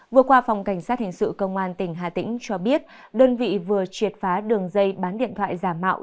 vừa qua phòng cảnh sát hình sự công an tỉnh hà tĩnh cho biết đơn vị vừa triệt phá đường dây bán điện thoại giả mạo